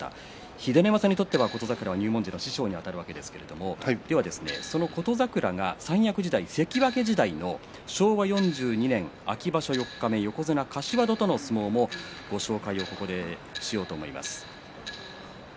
秀ノ山さんにとっては琴櫻は入門時の師匠にあたるわけですけれどもその琴櫻が三役時代関脇時代の昭和４２年秋場所四日目、横綱柏戸との相撲をご紹介しようと思います。